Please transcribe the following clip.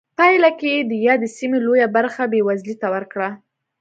پایله کې یې د یادې سیمې لویه برخه بېوزلۍ ته ورکړه.